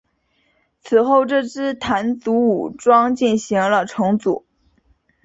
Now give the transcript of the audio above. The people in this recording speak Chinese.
此后这支掸族武装进行了重组。